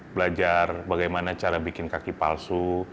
belajar bagaimana cara bikin kaki palsu